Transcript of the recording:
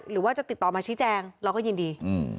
หรือว่าจะติดต่อมาชี้แจงเราก็ยินดี